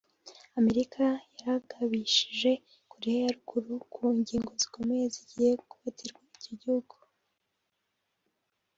Amerika yaragabishije Korea ya ruguru ko ingingo zikomeye zigiye gufatirwa ico gihugu